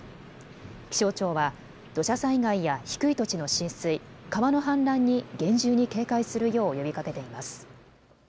気象庁は土砂災害や低い土地の浸水、川の氾濫に厳重に警戒するよう呼びかけています。